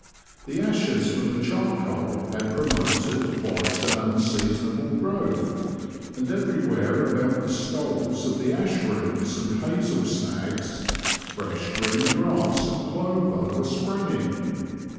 The ashes from the charcoal had promoted quite an unseasonable growth, and everywhere about the stoles of the ash roots and hazel snags, fresh green grass and clover were springing.